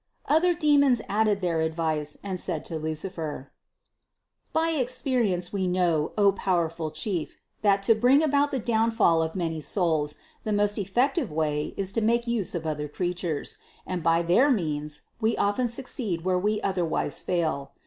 693. Other demons added their advice and said to Lucifer: "By experience we know, O powerful chief, that to bring about the downfall of many souls, the most effective way is to make use of other creatures, and by their means we often succeed where we otherwise fail.